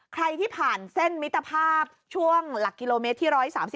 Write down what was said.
ใครที่ผ่านเส้นมิตรภาพช่วงหลักกิโลเมตรที่๑๓๒